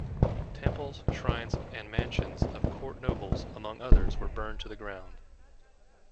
Temples, shrines, and mansions of court nobles, among others, were burned to the ground.